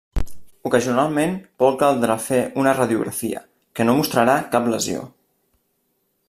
Ocasionalment pot caldre fer una radiografia, que no mostrarà cap lesió.